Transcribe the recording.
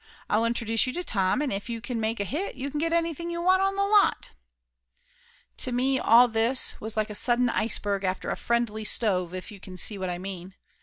I'll introduce you to Tom, and if you make a hit you can get anything you want on the lot." To me all this was like a sudden iceberg after a friendly stove if you can see what I mean.